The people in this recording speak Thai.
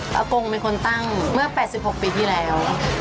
กงเป็นคนตั้งเมื่อ๘๖ปีที่แล้ว